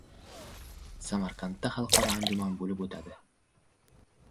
Samarqandda xalqaro anjuman bo‘lib o‘tadi